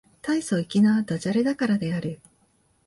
大層粋な駄洒落だからである